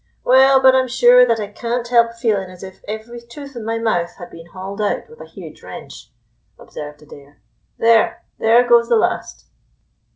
"Well, but I'm sure that I can't help feeling as if every tooth in my mouth had been hauled out with a huge wrench," observed Adair. "There! there goes the last."